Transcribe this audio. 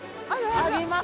あります。